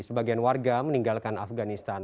sebagian warga meninggalkan afganistan